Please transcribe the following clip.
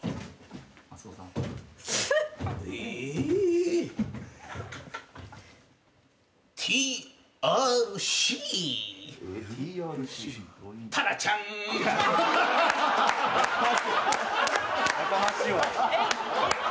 「ええ」「ＴＲＣ」「タラちゃん」やかましいわ！